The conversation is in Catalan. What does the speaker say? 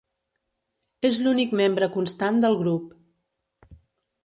És l'únic membre constant del grup.